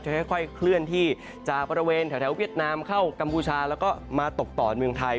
ค่อยเคลื่อนที่จากบริเวณแถวเวียดนามเข้ากัมพูชาแล้วก็มาตกต่อเมืองไทย